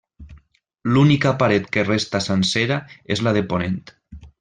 L'única paret que resta sencera és la de ponent.